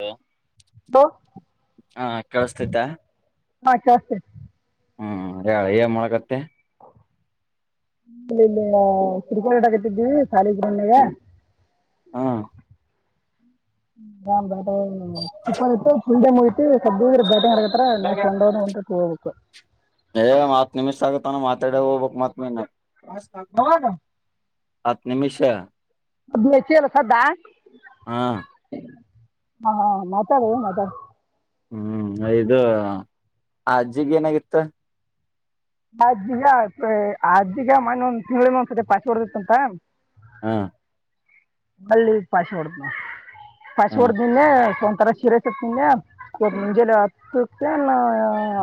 ಹ ಹಲೋ ಹಾ ಕಳ್ಸ್ತೇತ್ತ ಹಾ ಶೋಸ್ತ ಹ್ಮ್ ಏ ಮೊಳಗತ್ತೆ ಇಲ್ಲಿ ಇಲ್ಲಿ ಸಿರಿಕಗತಿದ್ದೀವಿ ಶಾಲಿಗಣೆಗೆ ಹಾ ಹ ಬ ಸೂಪರ್ ಇತ್ತು ಫುಲ್ ಡೇ ಮುಗತಿ್ರ ಬ್ಯಾಟಿಂಗ್ ಹರಗ ಹ ನಕೊಂಡೋ್ ಉಂತ ತ ಹೋಗ್ಬೇಕು ಏ ಮತ್ ನಿಮಿ್ ಆಗತ್ತಾನ ಮಾತಾಡ ಹೋಗ್ಬಕ್ ಮತ್ ಯಾವಾಗ ಹತ್ತು ನಿಮಿಷ ಮದ್ಸ ಎಲ್ಲ ಸದ್ದಾ ಹಾ ಹಾ ಹಾ ಮಾತ ಭಯ ಮಾತ ಹ್ಮ್ ಇದು ಆ ಅಜ್ಜಿಗೆ ಏನಾಗಿತ್ತ ಅಜ್ಜಿಗ ಅಜ್ಜಿಗ ಮೊನೆೊಂದ್ ತಿಂಗಗಳ ಒಂದ್ಸತಿ ಪಾಸ್ ಹೊಡದಿತ್ತ ಅಂತ ಹಾ ಮಳ್ಳಿ ಪಾಶಿ ಹೊಡ್ದ್ನ ಪಾಶಿ ಹ ಹೊಡ್ದಿಂದೆ ಸ್ ಆ ತರ ಶಿರೆಸತ್ ನಿಿಂದಗೆ ಮುಂಜೇಲಿ ಹತ್ತಲ್ಲ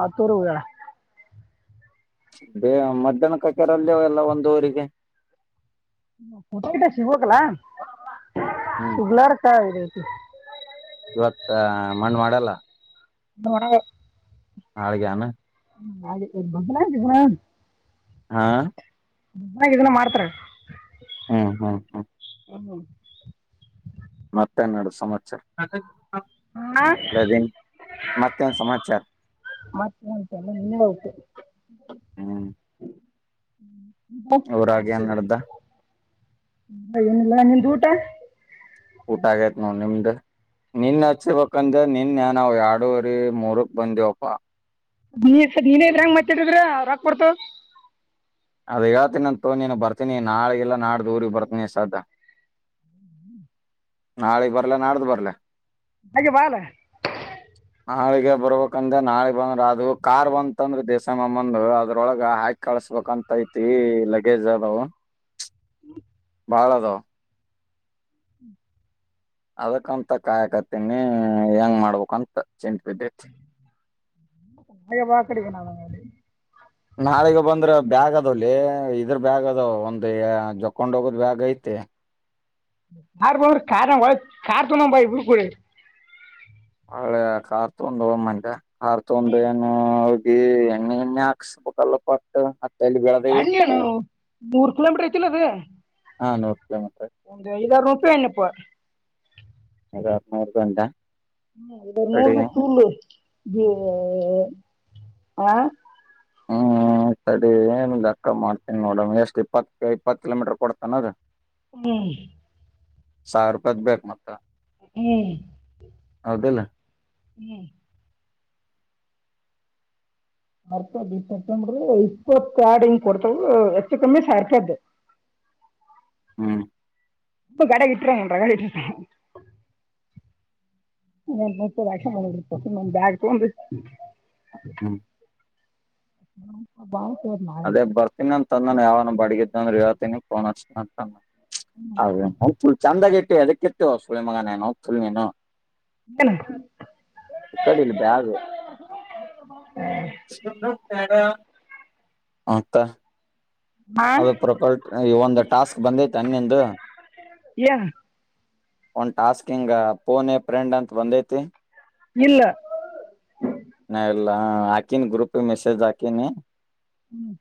ಹತ್ತರುಡ [unintelligible] ಬೇ ಮಧ್ಯಾಹ್ನ ಕಕರಲ್ಲಿಯ ಎಲ್ಲ ಒಂದು ಊರಿಗೆ ಟ್ಟಟ ಸಿಗ್ಕಲಾ ಹ್ಮ್ ಶಗ್ಲಾರ ಚತಿ ಇವತ್ತ ಮಣ್ಣು ಮಾಡಲ್ಲ ದೋಣ ಹಾಳಗೆನ ಹ ಬದಲ ಆ ಹಾ ಚನ್ನಾಗ ಇದನ್ನ ಮಾಡ್ತಾರೆ ಹ್ಮ್ ಹ್ಮ್ ಹ್ಮ್ ಮತ್ತೆನ್ನೆಡು ಸಂತ್ಸರ ಹಾಂ ಮತ್ತೊಂದು ಸಮಾಚಾರ ಮತ್ತಲ್ಲ ನಿನ್ನೇ ಹೌತೆ ಹ್ಮ್ ಹ್ಮ್ ಅವರಾಗಿ ಏನ್ಡ್ದ ಏನಲ್ಲ ನಿಂದ ಊಟ ಊಟಾಗಾಗತ್ ನೋ ನಿಮ್ದ ನಿನ್ ಹಚ್ರ್ಬೇಕಂದ್ರೆ ನಿನ್ ನ್ಾವ ಎರಡೂುವರಿ ಮೂರಕ್ ಬಂದವಪ್ಪಾ ನೀಸ ನೀನೇ ಇದ್ರ ಹೆಂಗ ಮತ್ತಿದ್ರ ರಾಕ್ಬರ್ತ ಅದ ಯಾತನಂತ ನೀನು ಬರ್ತೀನಿ ನಾಳಿಗೆಲ್ಲಾ ನಾಡ್ದು ಊರಿಗೆ ಬರ್ತೀನಿ ಸಾದ ನಾಳೆ ಬರ್ಲ ನಾಳ್ದು ಬರ್ಲ ಹಾಗೆ ಬಾಳ ನಾಳಿಗೆ ಬರ್ಬೇಕಂದ್ರೆ ನಾಳೆ ಬಂದ್ರ ಅದು ಕಾರ್ ಬಂತಂದ್ರೆ ದೇಸ ಬಂದ ಅದ್ರೊಳಗ ಹಾಕಿ ಕಳಸ ಕಂತ ಐತಿ ಲಗೇಜ್ ಅ ಬಾವು ಬಾಳದ ಹ್ಮ್ ಅದಕ್ಕಂತ ಕಾಯಕತೀನಿ ಹೆಂಗ್ ಮಾಡ್ಬೇಕಕ್ಂತ ಮಾಾಯ ಬಾಕಡೆ ಬ ನಳಿ ನಾಳಿಗ ಬಂದ್ರ ಬ್ಯಾಗ್ ಅದವಲ್ಲಿ ಇದ್ರ ಬ್ಯಾಗ್ ಅದಾವ ಒಂದ್ ಜೊಕೊಂಡ್ ಹೋಗದ್ ಬ್ಯಾಗ್ ಐತಿ ಹ ಕಾರ್ ಬ ಕ ಕಾರ್ ತು ನ ಭ ಬಡೆ ಹಳೆ ಕಾರ್ ತೊಡ ಒಂ ಕಾರ್ ತಂದು ಏನು ಎಣ್ಣೆ ಎಣ್ಣೆ ಆಕ್ಷಸಪ ಕಲ್ಲ ಪಟ್ಟ ಮೂರ್ ಕಿಲೋಮೀಟರ್ ಐತಿಲ್ಲ ಅದ ಹಾ ನೂರ್ ಕಿಲೋಮೀಟರ್ ಒಂದು ಐದಾಯ ರೂಪಾಯ್ಣಪ್ಪ ಈಗಗು ಅಂತ ಹ್ಮ್ ಎ ಮೂರ್ದು ಸುಳ್ಳು ಹ ಹಾ ಸಡಿ ಏನ್ ಕ್ಕ ಮಾಡ್ತೀನಿ ನೋಡ ಎಷ್ಟ್ ಇಪ್ಪತ್ತ ಇಪ್ಪತ್ ಕಿಲೋಮೀಟರ್ ಕೊಡ್ತಾನದ ಹ್ಮ್ ಸಾವಿರಪತ್ ಬೇಕ ಮತ್ತ ಹ್ಮ್ ಬದಲ ಹ್ಮ್ ಆರ್ತ್ರಿ ಇಪ್ಪತ್ತು ಆಡ್ ಹಿಂಗ್ ಕೊಡ್ತವ ಹೆಚ್ಚು ಕಮ್ಮಿ ಸಾವಿರ ರೂಪಾಯಿ ಅದ್ದ ಹ್ಮ್ ಇ ಕಡೆಗ ಇಟ್ಟರ ಕಡೆ ಇಟ್ಟತ ನ ಲಕ್ಷ ಮಾಡ ನ ಬ್ಯಾಗ್ ತಗೊಂಡ ಹ್ಮ ಹ ಹಬಾ ಅದೇ ಬರ್ತೀನಿ ಅಂತ ಅನ್ನ ಯಾವನ ಬಡಗಿದ್ ಅಂದ್ರ ಹೇಳ್ತೀನಿಫೋನ್ ಹಸತನ ಅಂತ ಅನ್ನ ಅದ ಚಂದಾಗ ಇಟ್ಟು ಅದಕ್ಕೆತ್ತು ಸುಳ ಮಗ ನನ್ ಹೋಗ ಸುಲ್ಮೀನು ಏನು ಇ ಕಡ ಬ್ಯಾಗ ಹಂತ ಹಾಂ ಅದು ಪ್ರೊಕಲ್ಟ್ ಈ ಒಂದು ಟಾಸ್ಕ್ ಬಂದೈತ ಅನ್ನಂದು ಏನೋ ಒಂದ್ ಟಾಸ್ಕಿಂಗ್ ಪೋನ್ ಎ ಪ್ರಡ್ ಅಂತ ಒಂದೈತಿ ಇಲ್ಲ ನ ಎಲ್ಲ ಹಾಕಿನಿ ಗ್ರೂಪ್ ಮೆಸೇಜ್ ಹಾಕಿನಿ ಹ್ಮ್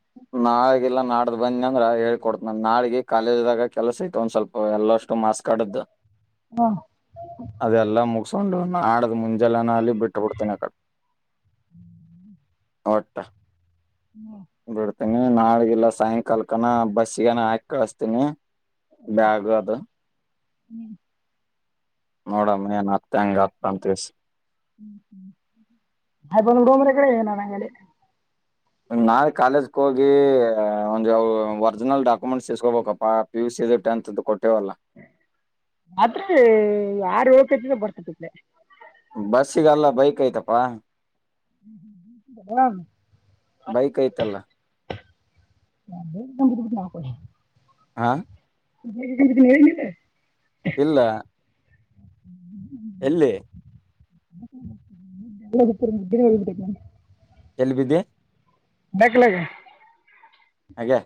ನಾಳಗ ಇಲ್ಲಾ ನಾದ ಬಂದಿ ಅಂದ್ರ ಹೇಳ್ಕ ಕೊಡ್ತ ನ ನಾಡಿಗೆ ಕಾಲೇಜಿದಾಗ ಕೆಲಸ ಐತ ಒಂದ್ ಸ್ವಲ್ಪ ಎಲ್ಲ [unintelligible] ಹಾಂ ಅದೆಲ್ಲ ಮುಗಿಸಿಕೊಂಡು [unintelligible] ಮುಂಜೆಲಾನ ಅಲ್ಲಿ ಬಿಟ್ಟ ಬಿಡ್ತೇನಿ ಅ ಕಡೆ ಅವತ್ ಹ್ಮ ಬಿಡ್ತನಿ ನಾಳಗಲ್ಲ ಸಾಯಂಕಾಲಕ್ಕನ ಬಸ್ಸ ಗಾನ ಹಾಕ್ ಕಳಸ್ತನಿ ಬ್ಯಾಗ್ ಅದು ಹ್ಮ್ ನೋಡಮ್ಮ ಏನ್ ಆತ ಹ ಬಂದು ಡೋಂಬರ ಕಡೆನಾ ನಂಗಡೆ ನಾಳೆ ಕಾಲೇಜ್ಗೆ ಹೋಗಿ ಒಂದು ಒರಿಜಿನಲ್ ಡಾಕ್ಯುಮೆಂಟ್ಸ್ ಇಸ್ಕೊಬೇಕಪ್ಪ ಪಿ ಯು ಸಿ [unintelligible] ಕೊಟ್ಟ ಮಾತ್ರ ಆರು ಹಕತಿಂದ ಬರ್ತತಿಲ ಬಸ್ಸಗಲ್ಲ ಬೈಕ್ ಐ್ತಪಾ ಹ್ಮ ಹ್ಮ ಬೈಕ್ ಐತಲ್ಲ ಹ [unintelligible] ಹಾ ಹೇಗೆ ಗಿದ್ದೀನ ಹೇಳೆ ಇಲ್ಲ ಹ್ಮ ಎಲ್ಲಿ ರ ಹಳ್ಬಟ್ಟ ನು ಎಲ್ಬಿದ್ದಿ ಯಾಕ್ ಲೇ ಹೇಗೆ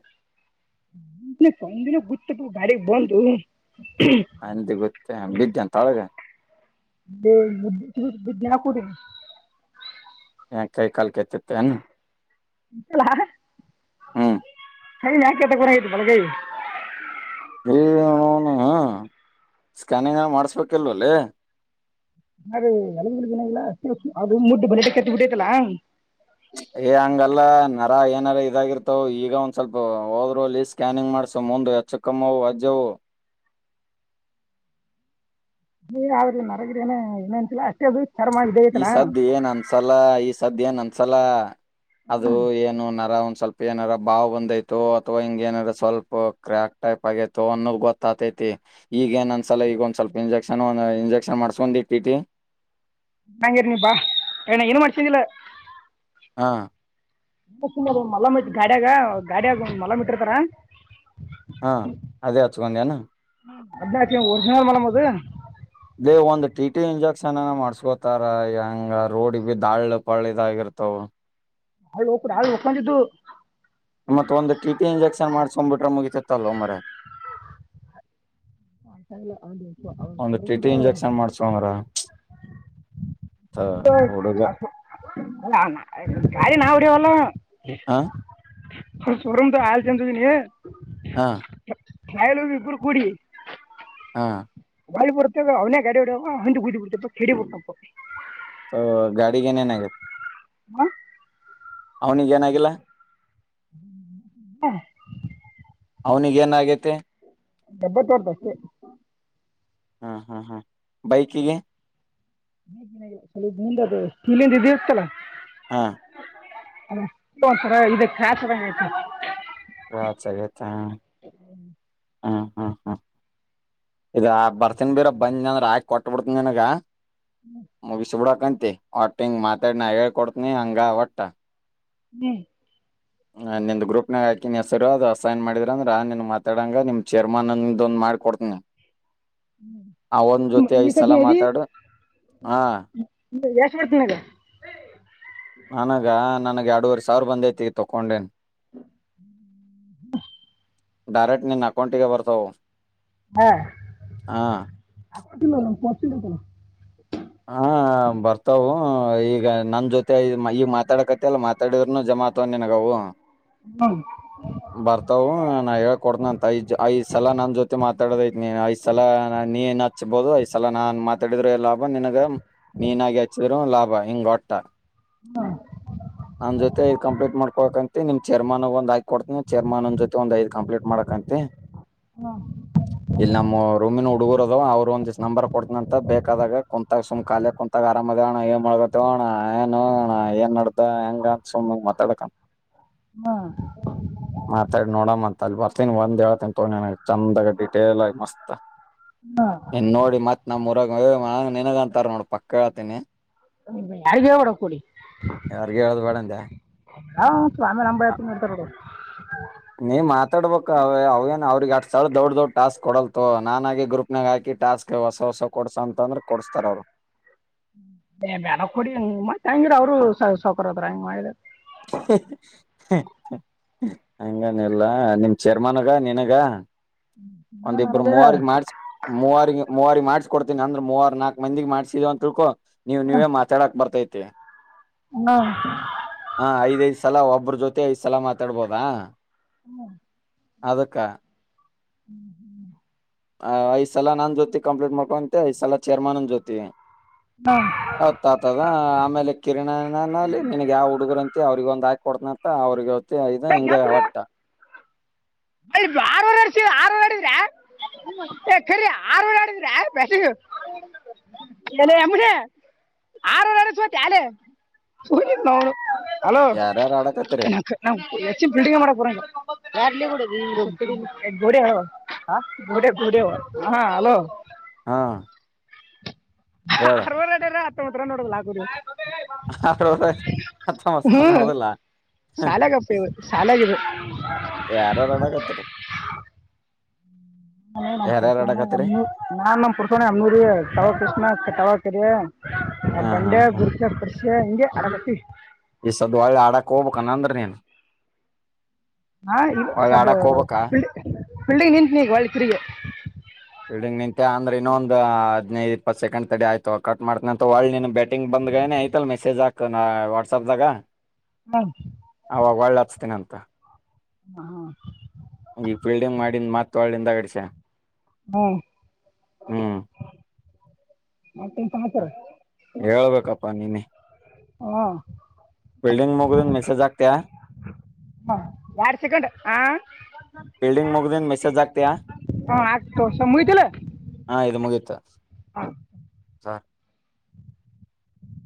ಸಂಜಿನ ಗುತ ಗಾಡಿ ಬಂದ ಹಂದು ಗೊತ್ತೇ ಬಿದ್ದ ಅಂತ ತಾಳಗೆ ಬುದ್ಧಿ ಬುದ್ಧಿನಾ ಕುಟೆ ಹ ಕೈ ಕಾಲ್ ಕತ್ತತ್ತ ನು ಇಲ ಹ್ಮ್ ಹ ಯಾಕೆತ್ತಗರ ಹೇತು ಬಲ್ಗೈ ನನು ಸ್ಕ್ಯಾನಿಂಗ್ ಮಾಡ್ಸ್ಬೇಕಿಲ್ವಲ್ಲ ಅದೇ ಎಲ ದಿನ ಇಲ್ಲಷ್ಟ ಅ ಮುಟ್ಟು ಬಲಿ ಕತ್ತ ಬಿಟ್ಟೇತಲಾ ಹಂಗಲ್ಲ ನರ ಏನಾರ ಇದಾಗಿರ್ತವ ಈಗ ಒಂದ್ ಸ್ವಲ್ಪ ಹೋದ್ರು ಅಲ್ಲಿ ಸ್ಕ್ಯಾನಿಂಗ್ ಮಾಡ್ಸು ಮು ಎಚ್ಚಕಮ್ಮವು ಅಜ್ಜವು ಹ ನೀ ಯಾವ್ರಿ ನರಗಿರಿ ನನೆ ಇನ್ನನ್ಂತಿಲ್ಲ ಅಷ್ಟೇ ಅದು ಚರ್ಮ ಇದೇ ಈ ಐತಲ್ಲ ಸದ್ದು ಏನ್ ಅನ್ಸಲ್ಲ ಈ ಸದ್ದು ಏನ್ ಅನ್ಸಲ್ಲ ಅದು ಏನು ನರ ಸ್ವಲ್ಪ ಏನಾರ ಬಾವ ಬಂದೈತು ಅಥವಾ ಹಿಂಗ ಏನಾರ ಸ್ವಲ್ಪ ಕ್ರ್ಯಾಕ್ ಟೈಪ್ ಆಗಯತು ಅನ್ನೋ ಗೊತ್ತಾತೈ ಮ ಈಗ ಏನ್ದ್ಸಲ ಈಗ ಒಂದ್ ಸ್ವಲ್ಪ ಇಂಜೆಕ್ಷನ್ ಇಂಜೆಕ್ಷನ್ ಮಾಡಸ್ಕೊಂಡ್ ಇಟ್ಟಿಟ್ಟಿ ನಂಗ ಇರ್ನಿಪ್ಪಾ ಏನ ಏನು ಮಾಡಡತಿಂದಿಲ್ಲ ಹಾ ಮಲ್ ಗಾಡಿಯಾಗ ಗಾಡಿಯಾಗ ಮಲಮ್ಮ ಇಟ್ಟಿರ್ತಾರ ಹಾ ಅದೇ ಹಚ್ಕೊಂಡ ಅನಾ ಅದ್ನಾಕ ಒರಿಜಿನಲ್ ಮೇಲಮ್ ಅದು ಲೇ ಒಂದ್ ಟಿ ಟಿ ಇಂಜೆಕ್ಷನ್ನ ಮಾಡಸ್ಕೋತಾರ ಹೆಂಗ ರೋಡ್ ಬಿ ದಾಳ್ಳ ಪಳ ಇದಾಗಿರ್ತವ ಹಾಳು ಹೋಗ ಹಾಳು ಹೋಗಕೊಂಡಿದ್ದು ಮತ್ತ ಒಂದು ಟಿಟಿ ಇಂಜೆಕ್ಷನ್ ಮಾಡಸ್ಕೊಬಿಟ್ರೆ ಮುಗತಿತ್ತಲ್ ಒಮ್ಮ್ರ ಸಲ್ಲ ಅ ಅವರು ಒಂದ್ ಟಿ ಸ್ರಂಗ ಟಿ ಇಂಜೆಕ್ಷನ್ ಮಾಡ್ಸ್ಕೊಂಡ್ರ ಹುಡುಗ ಕ ನಾವುಡವಲ್ಲ ಹ ಸೋರೂಮ ತ ಆಯಲ್ ಚಮ ತು ನೀ ಹಾ ಕಾಯಲು ಇಬರು ಕುಡಿ ಹಾ ಬಾ ಬತ್ತತವ ಅವನೇ ಗಡಿಡವ ಹಂದಿ ಕುದಿ ಬಿತಪ್ಪ ಕಡಿ ಬಿಟ್ಟಪ್ಪ ಗಾಡಿಿಗೆ ಏನೇನ ಆಾಗತ್ತು ಹಾ ಅವನಿಗ ಏನಾಗಿಲ್ಲ ಹ ಅವನಿಗೇನ ಆಗೈತಿ ದಬ್ಬತ್ ಬರ್ತ ಅಷ್ಟೇ ಹಾ ಹಾ್ ಹಾ್ ಬೈಕಿಗೆ ಲಿಂದ ಇದತಲ್ಲ ಹಾ ಸರ ಇದ ಕಾತರ ಆಯ್ತು ಹ ಸಗತ ಹ ಹ್ಮ ಹಾ ಹಾ ಇದ ಬರ್ತನ್ ಬೀರ ಬಂದಿ ಅಂದ್ರ ಆಕಿ ಕೊಟ್ಟ ಬಿಡ್ತನ ನನ್ಗ ಮೂಗಿಸುಬಡಕಂತ ಆಟಿಂಗ್ ಮಾತಾಡ ನ ಹೇಳ್ಕೊಡ್ತನಿ ಹಂಗ ಹೊಟ್ಟ ಹ್ಮ್ ನಿ ಗ್ರೂಪ್ ನ ಹಾಕಿನ ಹೆಸರು ಅದು ಅಸೈನ್ ಮಾಡಿದ್ರ ಅಂದ್ರ ಆ ನಿನ್ ಮಾತಾಡಂಗ ನಿಮ್ ಚೇರ್ಮನ್ಂದ ಆಡ್ ಕೊಡ್ತ ಅವನ್ ನಿಮ್ಮ- ಜೊತೆ ಈ ಸಲ ಸತಿ ಅದಿ ಮಾತಾಡು ಹಾ ಎಷ್ಟು ಬಡ್ತೀನಗ ನನಗ ನನ್ಗೆ ಎರಡೂವರೆ ಸಾವಿರ ಬಂದೈತಿ ತಕೊಂಡೇನ್ [inaudible] ಡೈರೆಕ್ಟ್ ನಿನ್ ಅಕೌಂಟ ಗೆ ಬರ್ತವು ಹಾ ಆಕ ತಿ ಪ ಕನ ಹ ಬರ್ತವು ಈಗ ನನ್ ಜೊತೆ ಈಗ ಮಾತಾಡಕತಿ ಅಲ್ಲ ಮಾತಾಡ ಜಮಾತ ನೆನಗವು ಹ್ಞೂ ಬರ್ತವು ನಾ ಹೇಳ ಕೊಡ್ದನ ಅಂತ ಐದ್ ಐದ್ ಸಲ ನನ್ ಜೊತೆ ಮಾತ ಮಾತಾಡೈ ನೀ ಐ ಸಲ ನೀನ್ ಹಚ್ಬಹುದು ಐಸಲ ನಾ ಮಾತಡಿದ್ರೆ ಎಲ್ಲ ನಿನಗರ ಮ ನೀನ ಆಗಿಚಿದರ ಲಾಭ ಇಂಗೋಟ ನನ್ ಜೊತೆ ಕಂಪ್ಲೀಟ್ ಮಾಡ್ಕೊಕ್ಂತ ಏ ನಿಮ್ ಚೇರ್ಮನ್ಗ ಒಂದ ಆಕ್ಕಿ ಕೊಡ್ತಿನ ಚೆರ್ಮನನ್ ಜೊತೆ ಒಂದ ಐದ್ ಕಂಪ್ಲೀಟ್ ಮಾಡಕಂತಿ. ಇಲ್ ನಮ್ಮು ರೂಮಿನ ಹುಡಗುರು. ದಾವ್ ಅವ್ರು ಒಂದಿಸ್ ನಂಬರ್ ಕೊಡ್ತನಂತ ಬೇಕಾದಾಗ. ಕುಂತಾಗ ಸುಮ್ ಕಾಲೆ ಕುಂತಾಗ ಆರಾಮದೇವಣ್ಣ ಏನ್ ಮಾಡಲಾತಿಯೋ ಅಣಾ ಏನೋ ಅಣ ಏನ್ ನಡ್ದ ಹೆಂಗ ಅಂತ ಸುಮ್. ಮಾತಾಡಾಕನ್. ಹ್ಹ. ಮಾತಾಡಿ ನೋಡಮ ಅಂತ ಅಲ್ಲಿ ಬರ್ತನಿ ಬಂದ್ ಹೇಳ್ತಿನ್ ತೊ ನಿನಗ್ ಚಂದಗ ಡಿಟೇಲಾಗ್ ಮಸ್ತ್. ನಿನ್ನ್ ನೋಡಿ ಮತ್ ನಮ್ಮೂರಾಗ್ ಏ ಮಾವ್ ನಿನಗಂತಾರ ನೋಡ್ ಪಕ್ಕಾ ಹೇಳ್ತಿನಿ. ಯಾರಿಗೂ ಹೇಳಬ್ಯಾಡೋ ಕೊಡಿ ಯಾರಿಗ ಹೇಳದ್ ಬೇಡ ಅಂದೆ ಹಾ. ಶಿವು ಆಮ್ಯಾಲ ನಂಬ್ ಹತ ದುಡಿತಾರ್ ನೊಡ್. ನೀ ಮಾತಾಡ್ಬೇಕ್ ಅವ ಅವೇನ್ ಅವ್ರಿಗ್ ಅಟ್ಟ ಸರಳ ದೌಡ್ ದೌಡ್ ಟಾಸ್ಕ್ ಕೊಡಲ್ ತೋ ನಾನಾಗೆ ಗ್ರೂಪನ್ಯಾಗ್ ಹಾಕ್. ಕಿ ಟಾಸ್ಕ್ ಹೊಸ ಹೊಸವ ಕೊಡ್ಸ ಅಂತಂದ್ರ ಕೊಡಸ್ತಾರ ಅವ್ರ. ಏ ಬ್ಯಾಡಾ ಕೊಡಿ ಮತ್ತ ಹೆಂಗಿರ ಅವ್ರು ಸೌ ಸೌ ಸೌಕಾರಾದ್ರ ಹಂಗ್ ಮಾಡಿ. [inaudible] ಹಂಗನಿಲ್ಲಾ ನಿಮ್ ಚೇರ್ಮನಗ ನಿನಗ. ಒಂದಿಬ್ರು ನನಗೆ ಮೂವರಿಗೆ ಮಾಡ್ಸಿ ಮೂವರಿಗೆ ಮೂವರಿಗ್ ಮಾಡ್ಸಿ. ಕೊಡ್ತೀನಿ ಅಂದ್ರ ಮೂವರ್ ನಾಕ್ ಮಂದಿಗ್ ಮಾಡ್ಸಿದಿವ ಅಂತಿಳ್ಕೊ ನೀವ್ ನೀವೇ ಮಾತಾಡಾಕ್ ಬರ್ತೈತ. ಹ್ಹ. ಸಲಾ ಒಬ್ಬ್ರ ಜೊತೆ ಐದ್ ಸಲಾ ಮಾತಾಡ್ಬೋದಾ. ಹ್ಮ. ಅದಕ್ಕ. ಹ್ಮ್ ಹ್ಮ್. ಆ ಐದ್ ಸಲಾ ನನ್ ಜೊತಿ ಕಂಪ್ಲೀಟ್ ಮಾಡ್ಕೊಳಂತೆ ಐದ್ ಸಲಾ ಚೇರ್ಮನನ್ ಜೊತಿ. ಹಾಂ ಹತ್ತಾತದಾ ಆಮೇಲೆ ಕಿರಣ್ಯಾನಾಲಿ ನಿನಗ ಯಾವ ಹುಡುಗರಂತಿ ಅವ್ರಗೊನ್. ದಾಕಿ ಕೊಡ್ತನಂತ ಅವ್ರ ಜೊತಿ ಐದ್ ಹಿಂಗೆ ಒಟ್ಟ. ಆವ ಆರವಡಿದ್ರೆ. ಏ ಖರಿ ಆರ್ ಬರೇ ಆಡಿದ್ರ್ಯಾ ಬ್ಯಾಟಿಂಗ್. ಏ ಲೆ ಯೇಮುನಿ ಆರ್ ಬರೇ ಆಡಿ ಸೋತ್ಯಾ ಲೇ ತು ನಿನ್ನೌನ್. ಹಲೋ ಯಾರ್ಯಾರು ಆಡಕತ್ತರಿ ಹೆಚ್ಚಿಗ್ ಪಿಲ್ಡಿಂಗ್ ಮಾಡಾಕ್ ಬರಾಂಗಿಲ್. ಈ ಗೋಡೆ ಗೋಡೆೋಡೆ ಹಾ ಹಲೋ. ಹಾ. ಹೇಳ ಆರವರೆ ಆಡ್ಯಾರ್ ಹತ್ತೊಂಬತ್ ರನ್ ಹೊಡ್ಯಲ್ ಆಗವಲ್. ಹತ್ತೊಂಬತ್ ಹ್ ನೋಡದಿಲ್ಲ ಶಾಲ್ಯಾಗಪ್ಪಿ ಈದ್ ಶಾಲ್ಯಾಗಿದ. ಯಾರ್ಯಾರ ಆಡಾಕತ್ತಿರಿ. ನಾನು ನಮ್ ಪರ್ಸೂಣಾ ಯೆಮ್ನು ನಾನ್ ನಮ್ ಪರ್ಸೂಣಾ ಯೇಮ್ನು ರಿ ತವಾ ಕೃಷ್ಣ ತವಾಕರಿ. ಆ ಹ ಹಾ ಬಂಡೆ ಹ ಗುರಕ್ಯಾ ಪರ್ಶ್ಯಾ ಹಿಂಗೆ ಆಡಾಕತ್ತಿವಿ. ಈ ಸದ್ದ ಹೊಳ್ಳಿ ಆಡಾಕ ಕೊಬಕನ್ ಅಂದ್ರ ನೀನ. ಹಾ ಇಲ್ ಸದ್ದ ಪೀಲ್ಡ ಪೀಲ್ಡಿಂಗ್ ನಿಂತ್ನಿನೀಗ್ ಹೋಳ್ಳಿ ತಿರಗಿ. ಫಿಲ್ಡಿಂಗ್ ನಿಂತ್ಯಾ ಅಂದ್ರ ಇನ್ನ ಒಂದಾದ್. ದ್ನೈದ್ ಇಪ್ಪತ್ತ ಸೆಕಂಡ್ ತಡಿ ಆಯ್ತೋ ಕಟ್ ಮಾಡ್ತನಂತ್ ತೋ ಹೊಳ್ಳಿ ನೀನಗ ಬ್ಯಾಟಿಂಗ್ ಬಂದಗಳನೆ ಐತಲ್ ಮೆಸೆಜ್ ಹಾಕ್ ನಾ ವಾಟ್ಸಆಪ್ ದಾಗ್. ದಾಗ ಹಾಂ ಅವಾಗ ಒಳ್ಳಿ ಹಚ್ತಿನಂತ್. ಹಾ. ಈಗ ಫೀಲ್ಡಿಂಗ್ ಮಾಡಿಂದ್ ಮತ್ ಒಳ್ಳಿ ಹಿಂದಾಗಡ್ಸೆ. [inaudible] ಮತ್ತೇನು ಮತ್ತ ಸಮಾಚಾರ ಹೇಳ್ಬೇಕಪ್ಪಾ ನೀನೇ. ಹಾಂ ಫಿಲ್ಡಿಂಗ್ ಮುಗದಿಂದ್ ಮೆಸೆಜ್ ಹಾಕ್ತಿಯಾ. ಹ ಯಾಡ್ ಸೇಕೆಂಡ ಆ. ಫೀಲ್ಡಿಂಗ್ ಮುಗ್ದಿನ್ ಮೆಸೇಜ್ ಹಾಕ್ತ್ಯಾ ಹು ಹಾಕ್ತನ್ ತೋ ಸುಮ ಮುಗಿತಿಲ್ಲ. ಹಾ. ಸಾ.